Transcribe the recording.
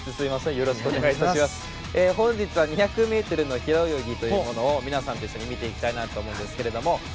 本日は２００ｍの平泳ぎというものを皆さんと一緒に見ていきたいなと思うんですけれども。